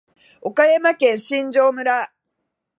岡山県新庄村